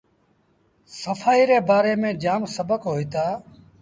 سڦآئيٚ ري بآري ميݩ جآم سبڪ هوئيٚتآ۔